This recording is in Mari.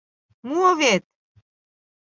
Муо вет!